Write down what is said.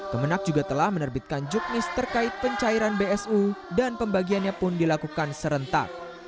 kemenak juga telah menerbitkan juknis terkait pencairan bsu dan pembagiannya pun dilakukan serentak